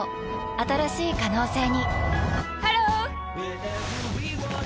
新しい可能性にハロー！